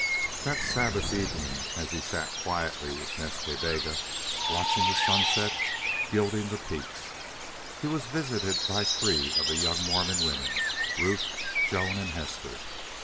That Sabbath evening as he sat quietly with Nas Ta Bega, watching the sunset gilding the peaks, he was visited by three of the young Mormon women Ruth, Joan, and Hester.